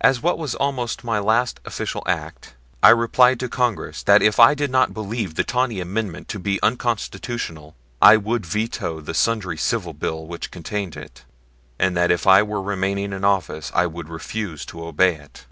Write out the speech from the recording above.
As what was almost my last official act, I replied to Congress that if I did not believe the Tawney amendment to be unconstitutional I would veto the Sundry Civil bill which contained it, and that if I were remaining in office I would refuse to obey it.